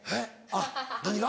あっ何が？